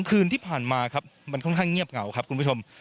คืนที่ผ่านมาครับมันค่อนข้างเงียบเหงาครับคุณผู้ชม